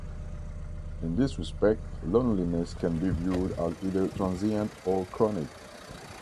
In this respect, loneliness can be viewed as either transient or chronic.